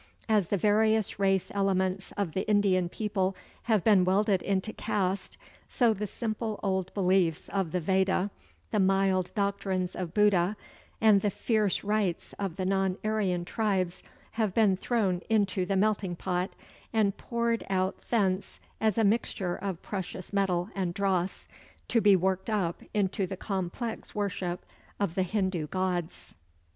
As the various race elements of the Indian people have been welded into caste, so the simple old beliefs of the Veda, the mild doctrines of Buddha, and the fierce rites of the non Aryan tribes, have been thrown into the melting pot, and poured out thence as a mixture of precious metal and dross, to be worked up into the complex worship of the Hindu gods.